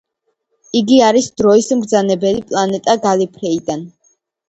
იგი არის დროის მბრძანებელი პლანეტა გალიფრეიდან.